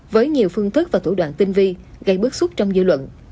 với nhiều phương thức và thủ đoạn tinh vi gây bước xuất trong dự luận